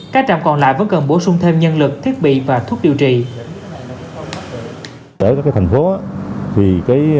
các trạm còn lại vẫn cần bổ sung thêm nhân lực thiết bị và thuốc điều trị